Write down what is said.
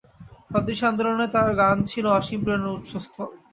স্বদেশী আন্দোলনে তার গান ছিল অসীম প্রেরণার উৎসস্থল।